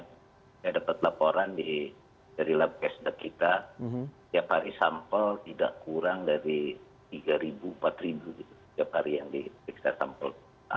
kita dapat laporan dari lab test kita setiap hari sampel tidak kurang dari tiga empat setiap hari yang di tester sampel